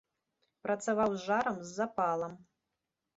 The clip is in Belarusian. Працаваў з жарам, з запалам.